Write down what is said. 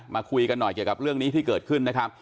มาคุยกันหน่อยกับเรื่องนี้ที่เกิดขึ้น